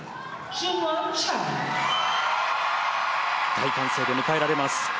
大歓声で迎えられます。